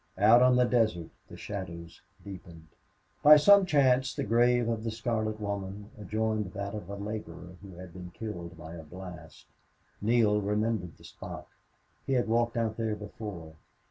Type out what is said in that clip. Out on the desert the shadows deepened. By some chance the grave of the scarlet woman adjoined that of a laborer who had been killed by a blast. Neale remembered the spot. He had walked out there before.